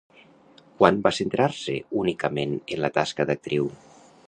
Quan va centrar-se únicament en la tasca d'actriu?